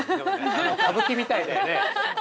◆歌舞伎みたいだよね。